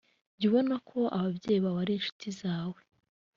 jya ubona ko ababyeyi bawe ari incuti zawe